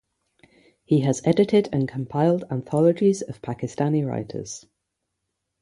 He has edited and compiled anthologies of Pakistani writers.